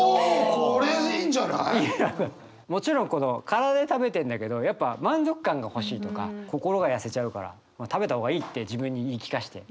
もちろんこの体で食べてるんだけどやっぱ満足感が欲しいとか「心がやせちゃうから食べたほうがいい」って自分に言い聞かせて。